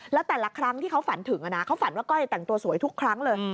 แล้วแต่ละครั้งที่เขาฝันถึงเขาฝันว่าก้อยแต่งตัวสวยทุกครั้งเลย